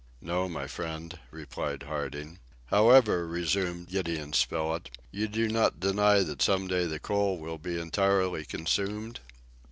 "No, my friend," replied Harding. "However," resumed Gideon Spilett, "you do not deny that some day the coal will be entirely consumed?"